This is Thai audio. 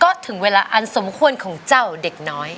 ก็ถึงเวลาอันสมควรของเจ้าเด็กน้อย